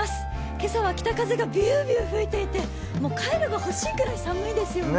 今朝は北風がビュービュー吹いていてカイロが欲しいくらい寒いですね。